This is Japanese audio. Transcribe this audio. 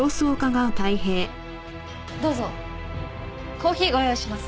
コーヒーご用意します。